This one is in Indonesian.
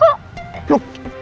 bikin malu emak keluarga